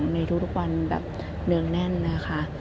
ในทุกวันแน่นนะคะ